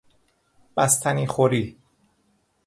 بستنی خوری